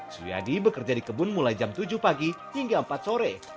suyadi bekerja di kebun mulai jam tujuh pagi hingga empat sore